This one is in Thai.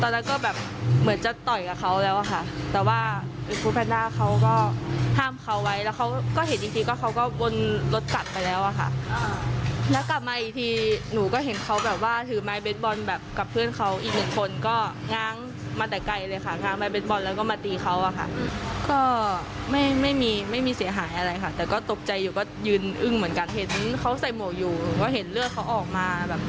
เห็นเขาใส่หมวกอยู่หรือว่าเห็นเลือดเขาออกมาแบบไหลไม่อยู่เลยค่ะ